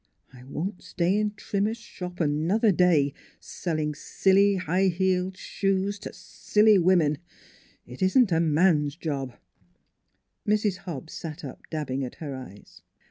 I won't stay in Trim mer's shop another day selling silly high heeled shoes to silly women. It isn't a man's job." Mrs. Hobbs sat up, dabbing at her eyes.